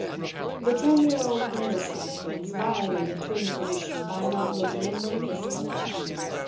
The ten year old Ingleside twins violated twin tradition by not looking in the least alike.